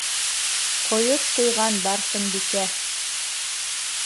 Ҡойоп ҡуйған Барсынбикә!